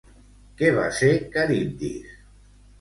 Què va ser Caribdis?